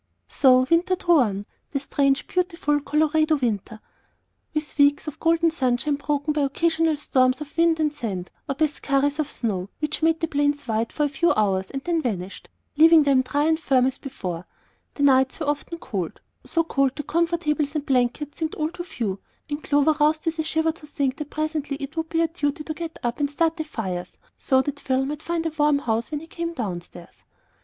So the winter drew on, the strange, beautiful Colorado winter, with weeks of golden sunshine broken by occasional storms of wind and sand, or by skurries of snow which made the plains white for a few hours and then vanished, leaving them dry and firm as before. The nights were often cold, so cold that comfortables and blankets seemed all too few, and Clover roused with a shiver to think that presently it would be her duty to get up and start the fires so that Phil might find a warm house when he came downstairs.